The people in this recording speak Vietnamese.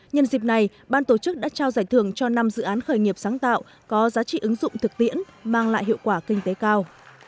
nhân dịp này ban tổ chức đã trao giải thưởng cho năm dự án khởi nghiệp sáng tạo có giá trị ứng dụng thực tiễn mang lại hiệu quả kinh tế cao